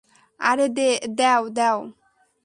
আরে দেও, দেও!